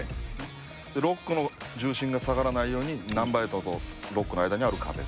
ロックの重心が下がらないようにナンバーエイトとロックの間にある壁。